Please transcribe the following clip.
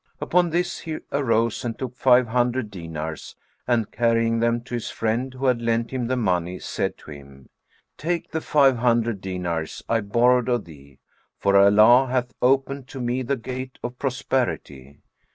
Upon this he arose and took five hundred dinars and carrying them to his friend who had lent him the money, said to him, "Take the five hundred dinars I borrowed of thee; for Allah hath opened to me the gate of prosperity."